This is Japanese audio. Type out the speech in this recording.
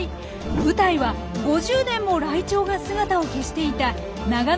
舞台は５０年もライチョウが姿を消していた長野県の中央アルプス。